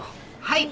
はい。